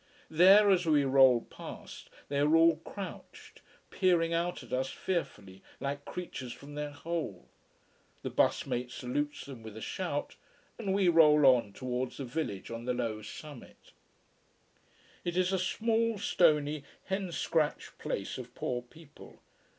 There, as we roll past, they are all crouched, peering out at us fearfully, like creatures from their hole. The bus mate salutes them with a shout, and we roll on towards the village on the low summit. It is a small, stony, hen scratched place of poor people.